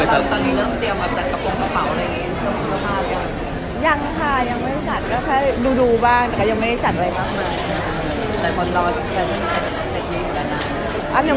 เราตอนนี้ต้องเตรียมเอาขาดดูเบิร์นหรือเปลี่ยน